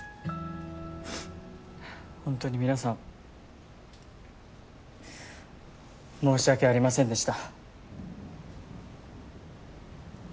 ほんとに皆さん申し訳ありませんでした。